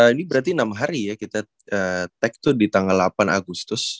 ini berarti enam hari ya kita take tuh di tanggal delapan agustus